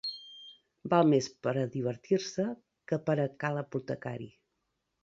Val més per a divertir-se que per a ca l'apotecari.